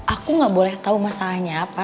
aku gak boleh tau masalahnya apa